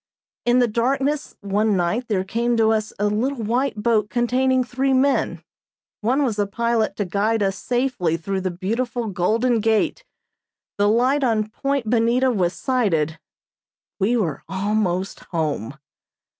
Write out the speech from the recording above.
In the darkness one night there came to us a little white boat containing three men, one was a pilot to guide us safely through the beautiful Golden Gate; the light on Point Bonita was sighted we were almost home.